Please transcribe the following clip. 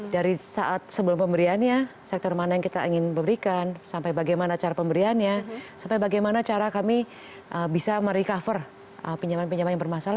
dari saat sebelum pemberiannya sektor mana yang kita ingin berikan sampai bagaimana cara pemberiannya sampai bagaimana cara kami bisa merecover pinjaman pinjaman yang bermasalah